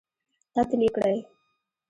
قتل یې کړی.